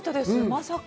まさか。